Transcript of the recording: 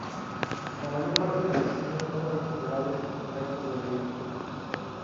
La mayor parte de los diseños fueron recuperados intactos del río.